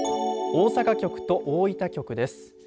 大阪局と大分局です。